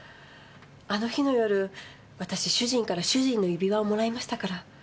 あの日の夜私主人から主人の指輪をもらいましたから。